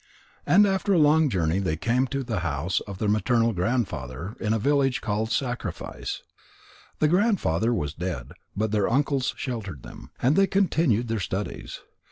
And after a long journey they came to the house of their maternal grandfather in a village called Sacrifice. The grandfather was dead, but their uncles sheltered them, and they continued their studies.